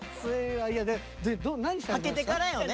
はけてからよね？